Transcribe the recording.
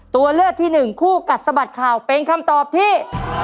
ตัวเลือกที่หนึ่งคู่กัดสะบัดข่าวเป็นคำตอบที่